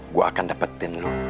gue akan dapetin lu